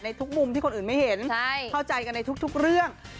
ทุกมุมที่คนอื่นไม่เห็นเข้าใจกันในทุกเรื่อง